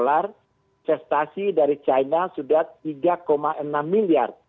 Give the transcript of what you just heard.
solar investasi dari china sudah tiga enam miliar